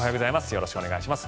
よろしくお願いします。